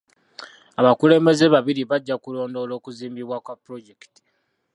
Abakulembeze babiri bajja kulondoola okuzimbibwa kwa pulojekiti.